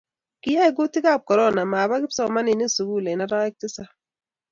Kiyai kutik ab korona maba kipsomanik sukul eng' arawek tisap